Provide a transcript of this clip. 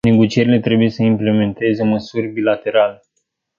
Negocierile trebuie să implementeze măsuri bilaterale.